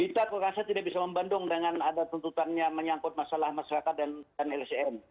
kita rasa tidak bisa membandung dengan ada tuntutannya menyangkut masalah masyarakat dan lsm